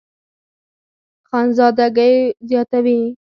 خانزادګۍ زياتوي